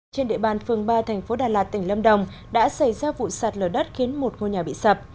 trên địa bàn phường ba thành phố đà lạt tỉnh lâm đồng đã xảy ra vụ sạt lở đất khiến một ngôi nhà bị sập